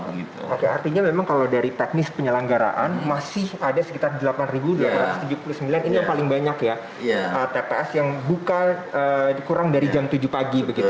oke artinya memang kalau dari teknis penyelenggaraan masih ada sekitar delapan dua ratus tujuh puluh sembilan ini yang paling banyak ya tps yang buka kurang dari jam tujuh pagi